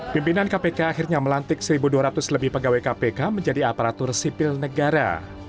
pimpinan kpk akhirnya melantik satu dua ratus lebih pegawai kpk menjadi aparatur sipil negara